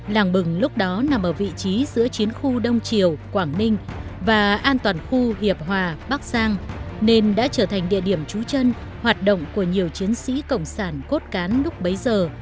làng bừng lúc đó nằm ở vị trí giữa chiến khu đông triều quảng ninh và an toàn khu hiệp hòa bắc giang nên đã trở thành địa điểm trú chân hoạt động của nhiều chiến sĩ cộng sản cốt cán lúc bấy giờ